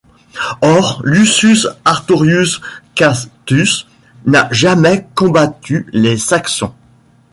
Or Lucius Artorius Castus n'a jamais combattu les Saxons.